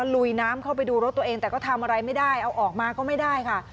ลุยน้ำเข้าไปดูรถตัวเองแต่ก็ทำอะไรไม่ได้เอาออกมาก็ไม่ได้ค่ะ